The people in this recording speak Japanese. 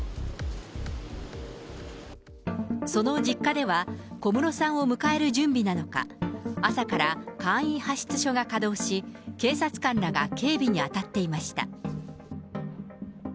その実家では、小室さんを迎える準備なのか、朝から簡易派出所が稼働し、警察官らが警備に当たっていました。